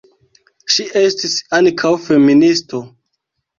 Ŝi estis ankaŭ feministo.